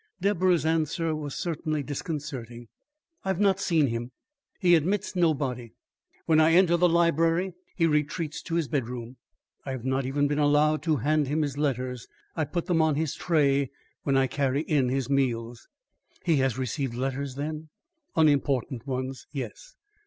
Deborah's answer was certainly disconcerting. "I've not seen him. He admits nobody. When I enter the library, he retreats to his bedroom. I have not even been allowed to hand him his letters. I put them on his tray when I carry in his meals." "He has received letters then?" "Unimportant ones, yes."